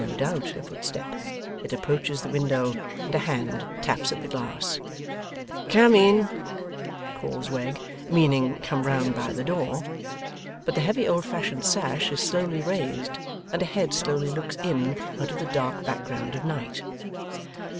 No doubt, a footstep. It approaches the window, and a hand taps at the glass. 'Come in!' calls Wegg; meaning come round by the door. But the heavy old fashioned sash is slowly raised, and a head slowly looks in out of the dark background of night.